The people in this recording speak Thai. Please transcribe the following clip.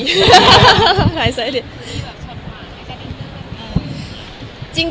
คุณได้อย่างไรมั้ย